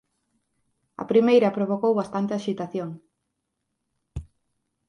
A primeira provocou bastante axitación: